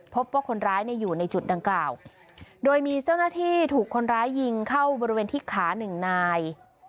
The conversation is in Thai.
พบว่าคนร้ายอยู่ในจุดดังกล่าวโดยมีเจ้าหน้าที่ถูกคนร้ายยิงเข้าบริเวณที่ขาหนึ่งนาย